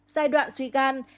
giai đoạn suy gan